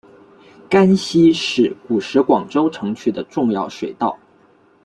甘溪是古时广州城区的重要水道。